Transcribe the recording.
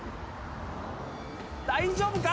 大丈夫か！？